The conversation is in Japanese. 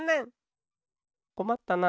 こまったな。